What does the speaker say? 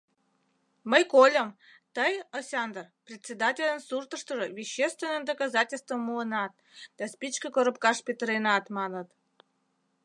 — Мый кольым, тый, Осяндр, председательын суртыштыжо вещественный доказательствым муынат да спичке коробкаш петыренат, маныт.